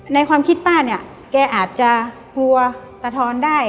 ในความคิดป้าแกอาจจะหัวตะทอนได้